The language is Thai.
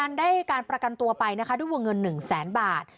ได้การประกันตัวไปนะคะด้วยวงเงิน๑แสนบาท